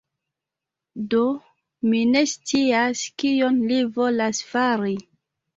Do, mi ne scias kion li volas fari.